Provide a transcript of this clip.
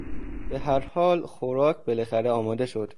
به هر حال خوراک بالاخره آماده شد.